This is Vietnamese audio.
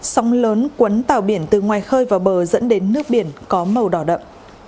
sóng lớn quấn tàu biển từ ngoài khơi vào bờ dẫn đến nước biển có màu đỏ đậm